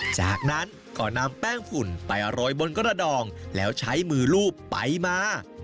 จากนั้นก็นำแป้งฝุ่นไปโรยบนกระดองแล้วใช้มือลูบไปมา